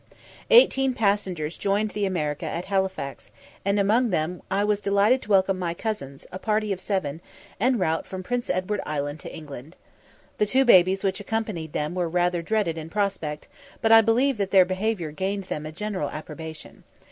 Eighteen passengers joined the America at Halifax, and among them I was delighted to welcome my cousins, a party of seven, en route from Prince Edward Island to England. The two babies which accompanied them were rather dreaded in prospect, but I believe that their behaviour gained them general approbation.